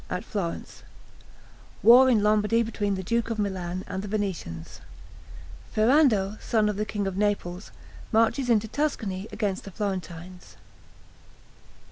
at Florence War in Lombardy between the duke of Milan and the Venetians Ferrando, son of the king of Naples, marches into Tuscany against the Florentines.